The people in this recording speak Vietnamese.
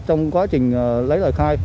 trong quá trình lấy lời khai